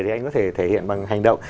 thì anh có thể thể hiện bằng hành động